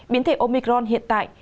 biến thể omicron hiện tại